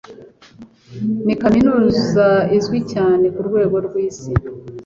Ni Kaminuza izwi cyane ku rwego rw’isi